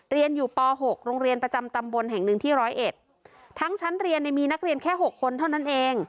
เรียนอยู่ป๖โรงเรียนประจำตำบลแห่ง๑ที่๑๐๑ทั้งชั้นเรียนมีนักเรียนแค่๖คนเท่านั้นเอง